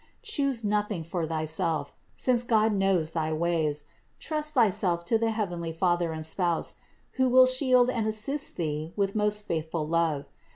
Chose nothing for thyself, since God knows thy ways; trust thyself to the heavenly Father and Spouse, who will shield and assist thee with most faithful love.